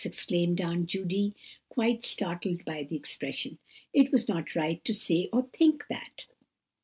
exclaimed Aunt Judy, quite startled by the expression; "it was not right to say or think that."